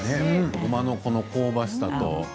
ごまの香ばしさと。